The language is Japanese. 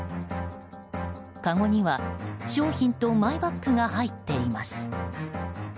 かごには商品とマイバッグが入っています。